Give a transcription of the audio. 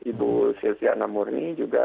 ibu siltiana murni juga